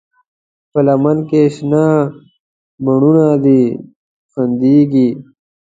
په لمن کې شنه بڼوڼه دي خندېږي